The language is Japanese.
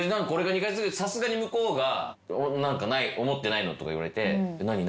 さすがに向こうが「何か思ってないの？」とか言われて何？